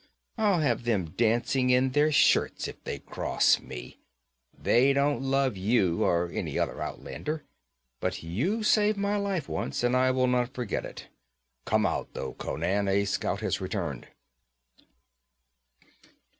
I'll have them dancing in their shirts if they cross me! They don't love you or any other outlander but you saved my life once, and I will not forget. Come out, though, Conan; a scout has returned.'